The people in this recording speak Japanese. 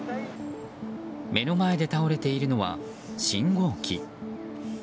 目の前で倒れているのは信号機。